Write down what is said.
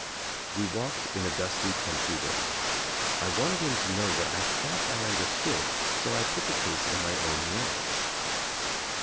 We walked in a dusty country road. I wanted him to know that I thought I understood, so I put the case in my own way.